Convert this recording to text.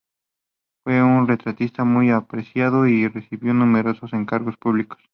Fue un retratista muy apreciado y recibió numerosos encargos públicos.